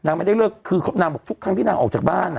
ไม่ได้เลิกคือนางบอกทุกครั้งที่นางออกจากบ้านอ่ะ